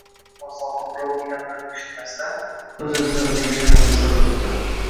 Ammo, soha birovning amrini kutmasdan, o‘z-o‘zidan o‘zgarish arafasida turibdi.